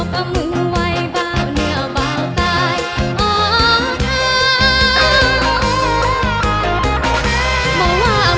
กระทั่งหน้าขือน้ำมันกรี๊วสร้างยกแมวนะครับ